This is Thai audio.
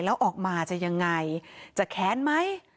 แล้วออกมาจะยังไงจะแค้นไหม